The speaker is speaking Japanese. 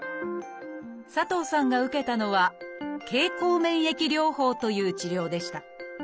佐藤さんが受けたのは「経口免疫療法」という治療でした。